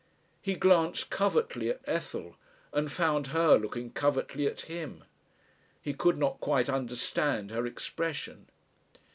He glanced covertly at Ethel, and found her looking covertly at him. He could not quite understand her expression.